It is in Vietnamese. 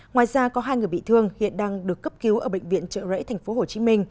ngoài ra có hai người bị thương hiện đang được cấp cứu ở bệnh viện trợ rẫy tp hcm